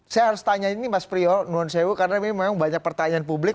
saya harus tanya ini mas priyo non sewo karena memang banyak pertanyaan publik